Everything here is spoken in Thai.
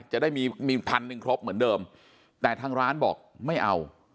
จะได้มี๑๐๐๐บาทครบเหมือนเดิมแต่ทางร้านบอกไม่เอา